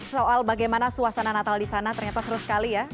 soal bagaimana suasana natal di sana ternyata seru sekali ya